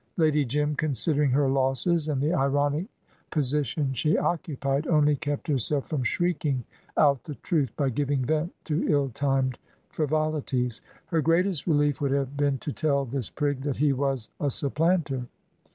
Lady Jim, considering her losses and the ironic position she occupied, only kept herself from shrieking out the truth by giving vent to ill timed frivolities. Her greatest relief would have been to tell this prig that he was a supplanter.